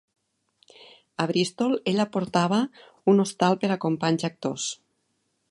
A Bristol, ella portava un hostal per a companys actors.